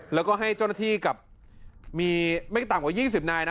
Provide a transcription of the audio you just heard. แล้วก็ให้เจ้าหน้าที่กับมีไม่ต่ำกว่า๒๐นายนะ